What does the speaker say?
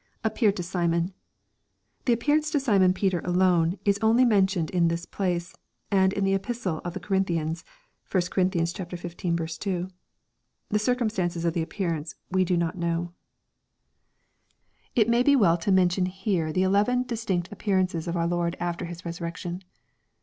[Appeared to Simon^ This appearance to Simon Peter alone is only mentioned n this place, and in the Epistle to the Corin thians. (1 Cor. XV. 2.) The circumstances of the appearance we do not kiow. LUKE, CHAP. XXIV. 609 It may be weU to mention here the elevei^ distinct appearances of our Lord after His resurrection.